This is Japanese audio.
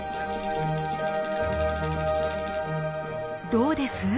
どうです？